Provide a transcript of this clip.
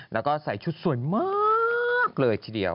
แล้วก็ใส่ชุดสวยมากเลยทีเดียว